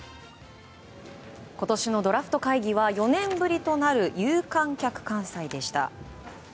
今年のドラフト会議は４年ぶりとなる有観客開催でした。